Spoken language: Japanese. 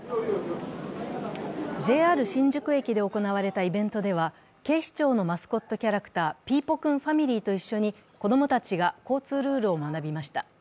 ＪＲ新宿駅で行われたイベントでは警視庁のマスコットキャラクターピーポくんファミリーと一緒に子供たちが交通ルールを学びました。